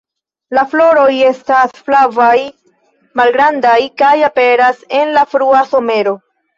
La floroj estas flavaj, malgrandaj kaj aperas en la frua somero.